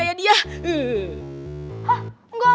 apa ya nanti perempuan ya